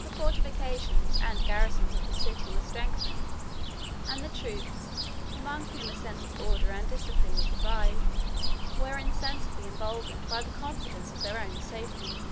The fortifications and garrisons of the cities were strengthened; and the troops, among whom a sense of order and discipline was revived, were insensibly emboldened by the confidence of their own safety.